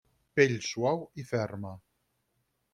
Pell suau i ferma.